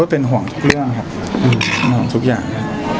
เป็นห่วงทุกเรื่องครับห่วงทุกอย่างครับ